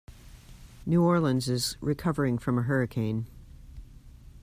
New Orleans is recovering from a hurricane.